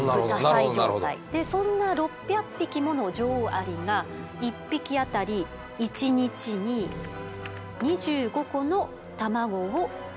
でそんな６００匹もの女王アリが１匹当たり１日に２５個の卵を産みます。